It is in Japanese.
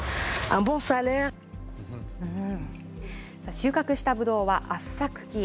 収穫したぶどうは圧搾機へ。